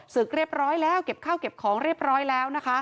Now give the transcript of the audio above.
ศึกเรียบร้อยแล้วเก็บข้าวเก็บของเรียบร้อยแล้วนะคะ